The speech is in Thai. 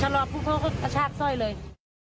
ชะลอพวกเขาชากสร้อยเลย